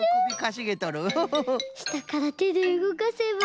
したからてでうごかせば。